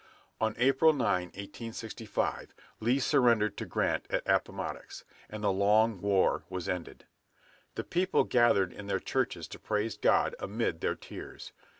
On April 9, 1865, Lee surrendered to Grant at Appomattox, and the long war was ended. The people gathered in their churches to praise God amid their tears.